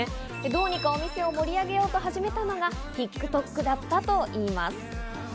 どうにか店を盛り上げようと始めたのがＴｉｋＴｏｋだったといいます。